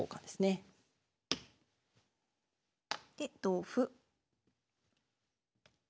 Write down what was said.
で同歩。